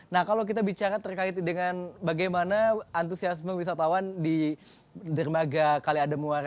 nah kalau kita bicara terkait dengan bagaimana antusiasme wisatawan di dermaga kali ada muara